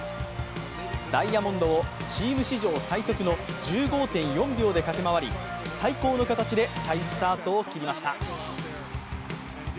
ダイヤモンドをチーム史上最速の１５．４秒で駆け回り最高の形で再スタートを切りました。